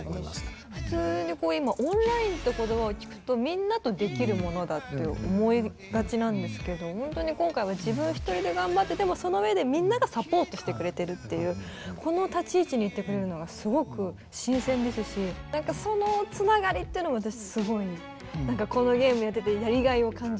普通に今オンラインって言葉を聞くとみんなとできるものだって思いがちなんですけどほんとに今回は自分一人で頑張ってでもそのうえでみんながサポートしてくれてるっていうこの立ち位置にいてくれるのがすごく新鮮ですし何かその繋がりっていうのも私すごい何かこのゲームやっててやりがいを感じました。